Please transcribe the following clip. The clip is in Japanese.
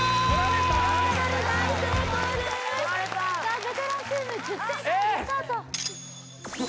ベテランチーム１０点からリスタートえ